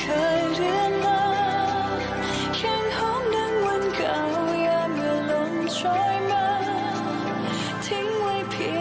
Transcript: เออเป็นไรนะ